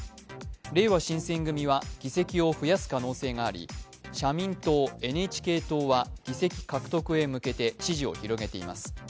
れいわ新選組は、議席を増やす可能性があり社民党、ＮＨＫ党は議席獲得へ向けて支持を広げています。